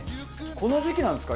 この時期なんですか？